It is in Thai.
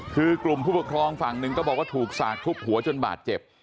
คือกลุ่มผู้ปกครองฝั่งหนึ่งก็บอกว่าถูกสากทุบหัวจนบาดเจ็บ